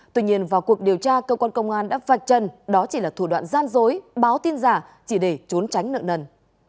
tuy nhiên vào cuộc điều tra cơ quan công an đã vạch chân đó chỉ là thủ đoạn gian dối báo tin giả chỉ để trốn tránh nợ nần